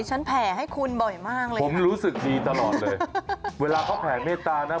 แผ่ให้คุณบ่อยมากเลยผมรู้สึกดีตลอดเลยเวลาเขาแผ่เมตตานะ